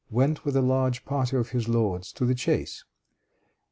went with a large party of his lords to the chase.